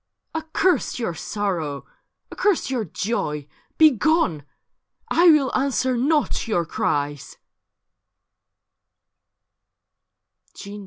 * Accurst your sorrow, accurst your Joy — Begone ! 1 will answer not your cries.'